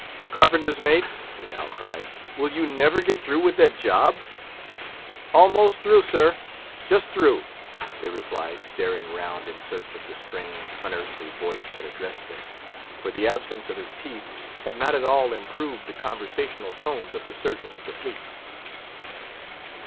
"Carpenter's mates," he now cried, "will you never get through with that job?" "Almost through, sir—just through," they replied, staring round in search of the strange, unearthly voice that addressed them; for the absence of his teeth had not at all improved the conversational tones of the Surgeon of the Fleet.